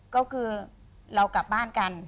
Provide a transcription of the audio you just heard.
ก็คือเรากลับบ้านกัน